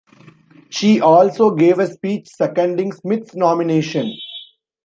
She also gave a speech seconding Smith's nomination.